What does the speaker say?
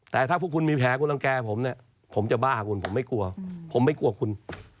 แต่ถ้าพวกคุณมีแผลคุณรังแก่ผมเนี่ยผมจะบ้าคุณผมไม่กลัวผมไม่กลัวคุณ